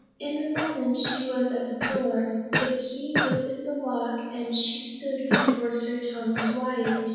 In a moment, she was at the door the key was in the lock and she stood before Sir Thomas Wyat.